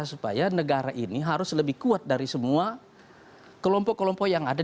supaya negara ini harus lebih kuat dari semua kelompok kelompok yang ada